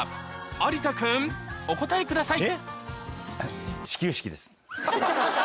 有田君お答えください